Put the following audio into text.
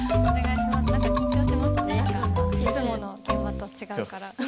いつもの現場と違うから。